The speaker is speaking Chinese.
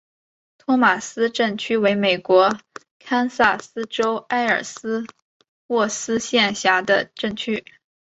托马斯镇区为美国堪萨斯州埃尔斯沃思县辖下的镇区。